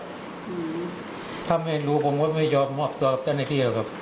อืมถ้าไม่รู้ผมก็ไม่ยอดมาตรอบเจ้าในพี่ครับ